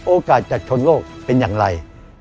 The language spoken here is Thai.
โอกาสจากชนโลกเป็นอย่างไร